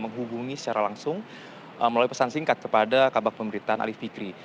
menghubungi secara langsung melalui pesan singkat kepada kabar pemberitaan arief fikri